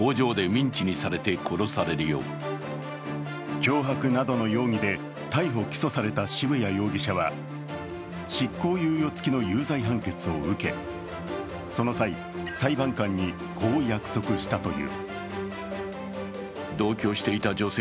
脅迫などの容疑で逮捕・起訴された渋谷容疑者は執行猶予付きの有罪判決を受け、その際、裁判官にこう約束したという。